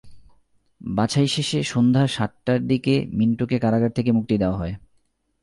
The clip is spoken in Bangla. বাছাই শেষে সন্ধ্যা সাতটার দিকে মিন্টুকে কারাগার থেকে মুক্তি দেওয়া হয়।